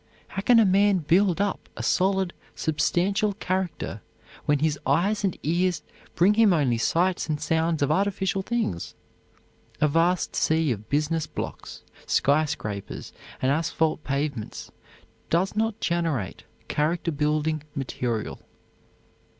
How can a man build up a solid, substantial character when his eyes and ears bring him only sights and sounds of artificial things? A vast sea of business blocks, sky scrapers and asphalt pavements does not generate character building material.